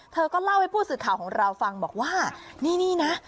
เธอก็เล่าให้ผู้สื่อข่าวของเราฟังบอกว่านี่นี่นะ